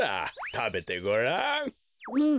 たべてごらん。